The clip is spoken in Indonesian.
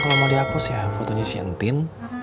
kalo mau dihapus ya fotonya si entin